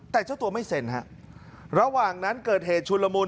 แต่เจ้าตัวไม่เซ็นฮะระหว่างนั้นเกิดเหตุชุนละมุน